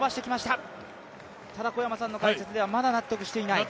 ただ、小山さんの解説ではまだ納得していない。